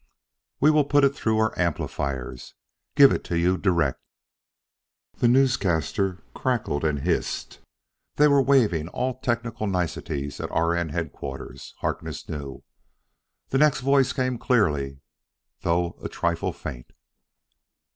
We will put it through our amplifiers; give it to you direct!" The newscaster crackled and hissed: they were waiving all technical niceties at R. N. Headquarters, Harkness knew. The next voice came clearly, though a trifle faint.